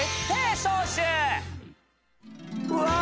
うわ！